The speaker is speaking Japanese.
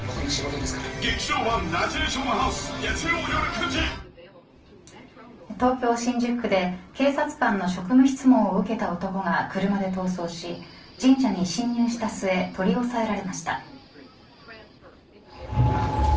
富士山は昨日山梨県側で山開きを迎え登山客は東京、新宿区で警察官の職務質問を受けた男が車で逃走し神社に侵入した末取り押さえられました。